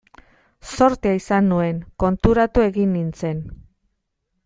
Zortea izan nuen, konturatu egin nintzen.